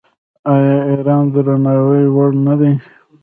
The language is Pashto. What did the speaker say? آیا ایران د درناوي وړ نه دی؟